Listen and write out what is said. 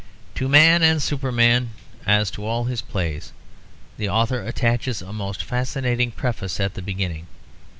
To Man and Superman, as to all his plays, the author attaches a most fascinating preface at the beginning.